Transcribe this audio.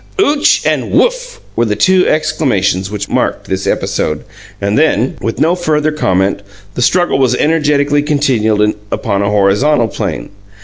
"OOCH!" and "WUF!" were the two exclamations which marked this episode, and then, with no further comment, the struggle was energetically continued upon a horizontal plane.